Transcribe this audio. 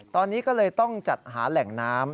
ตอนนี้ก็เลยต้องจัดหาแหล่งน้ำ